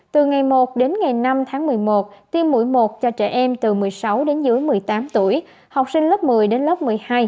từ ngày một đến ngày năm tháng một mươi một tiêm mũi một cho trẻ em từ một mươi sáu đến dưới một mươi tám tuổi học sinh lớp một mươi đến lớp một mươi hai